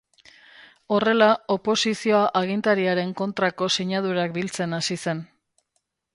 Horrela, oposizioa agintariaren kontrako sinadurak biltzen hasi zen.